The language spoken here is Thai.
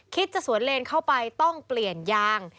คิดจะสวนเลนเข้าไปต้องเปลี่ยนยาง